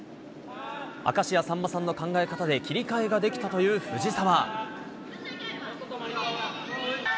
明石家さんまさんの考え方で切り替えができたという藤澤。